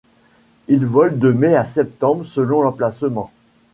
Il vole de mai à septembre selon l'emplacement.